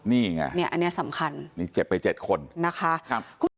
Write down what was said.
นี่ไงเนี่ยอันเนี้ยสำคัญเนี่ยเจ็บไปเจ็ดคนนะคะครับ